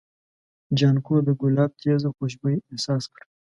جانکو د ګلاب تېزه خوشبويي احساس کړه.